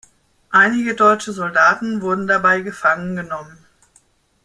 Einige deutsche Soldaten wurden dabei gefangen genommen.